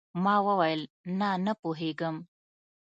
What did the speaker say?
ما وويل نه نه پوهېږم.